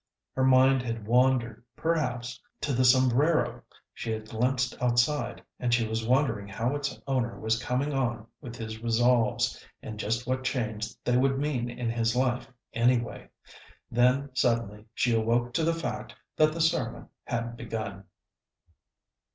Her mind had wandered, perhaps, to the sombrero she had glimpsed outside, and she was wondering how its owner was coming on with his resolves, and just what change they would mean in his life, anyway. Then suddenly she awoke to the fact that the sermon had begun.